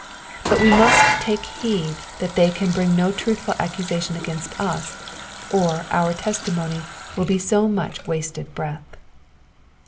But we must take heed that they can brine no truthful accusation against us, or our testimony will be so much wasted breath.